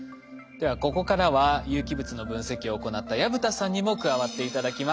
ではここからは有機物の分析を行った薮田さんにも加わって頂きます。